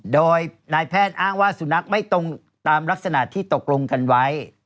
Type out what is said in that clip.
โดยนายแพทย์อ้างว่าสุนัขไม่ตรงตามลักษณะที่ตกลงกันไว้